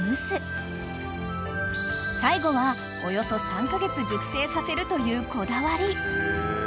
［最後はおよそ３カ月熟成させるというこだわり］